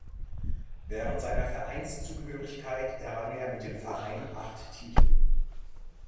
Während seiner Vereinszugehörigkeit errang er mit dem Verein acht Titel.